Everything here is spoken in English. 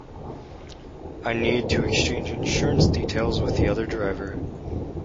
I needed to exchange insurance details with the other driver.